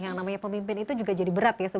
yang namanya pemimpin itu juga jadi berat ya